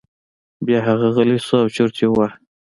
بیا هغه غلی شو او چرت یې وواهه.